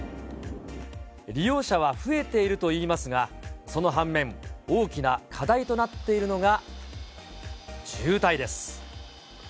利用者は増えているといいますが、その反面、大きな課題となっているのが渋滞です。